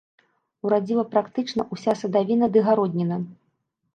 Урадзіла практычна ўся садавіна ды гародніна.